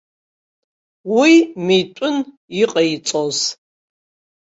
Уи митәын иҟаиҵоз.